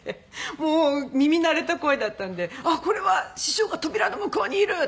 もう耳慣れた声だったんであっこれは師匠が扉の向こうにいると思って。